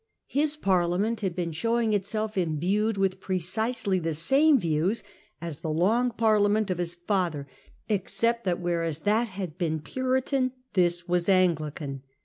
His Parliament had been showing itself imbued with precisely the same views as the Long Parliament of his father, except that, whereas that had been Puritan, this was Anglican.